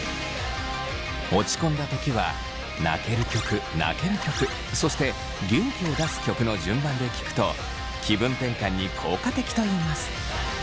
落ち込んだ時は泣ける曲泣ける曲そして元気を出す曲の順番で聴くと気分転換に効果的といいます。